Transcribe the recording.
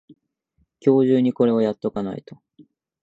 今日中にこれをやっとかないと